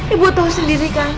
ibu tau sendiri kan